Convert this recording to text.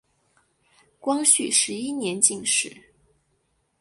光绪十一年进士。